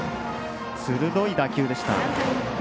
鋭い打球でした。